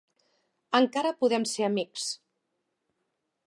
Encara podem ser amics.